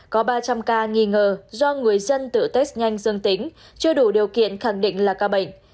có ba trăm linh ca nghi ngờ do người dân tự test nhanh dương tính chưa đủ điều kiện khẳng định là ca bệnh